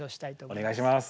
お願いします。